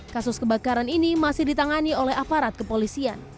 kasus kebakaran ini masih ditangani oleh aparat kepolisian